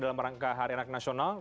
dalam rangka hari anak nasional